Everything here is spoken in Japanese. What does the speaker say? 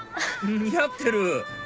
似合ってる！